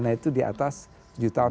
pidana itu di atas tujuh tahun